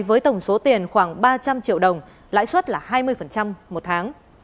với tổng số tiền khoảng ba trăm linh triệu đồng lãi suất là hai mươi một tháng